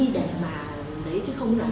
để mà đấy chứ không là